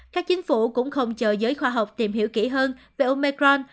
chính phủ cũng không chờ giới khoa học tìm hiểu kỹ hơn về omicron